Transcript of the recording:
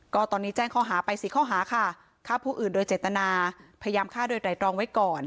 ก็ตอนนี้แจ้งข้อหาไป๔ข้อหาค่ะฆ่าผู้อื่นโดยเจตนาพยายามฆ่าโดยไตรตรองไว้ก่อน